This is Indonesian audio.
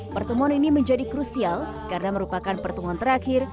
pertemuan ini menjadi krusial karena merupakan pertemuan terakhir